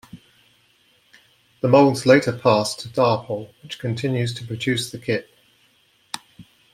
The moulds later passed to Dapol, which continues to produce the kit.